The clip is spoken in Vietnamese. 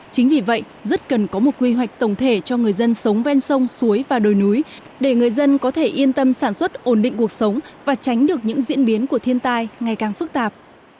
chính vì vậy rất cần có một quy hoạch tổng thể cho người dân sống ven sông suối và đồi núi để người dân có thể yên tâm sản xuất ổn định cuộc sống và tránh được những diễn biến của thiên tai ngày càng phức tạp